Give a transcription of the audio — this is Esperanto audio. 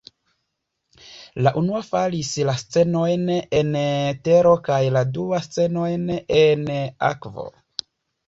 La unua faris la scenojn en tero kaj la dua la scenojn en akvo.